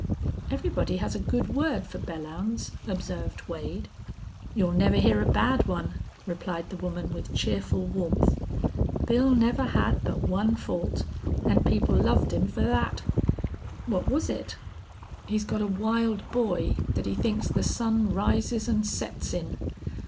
"Everybody has a good word for Belllounds," observed Wade. "You'll never hear a bad one," replied the woman, with cheerful warmth. "Bill never had but one fault, an' people loved him fer thet." "What was it?" "He's got a wild boy thet he thinks the sun rises an' sets in.